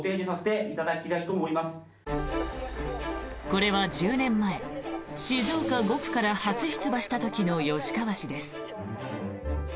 これは１０年前静岡５区から初出馬した時の吉川氏です。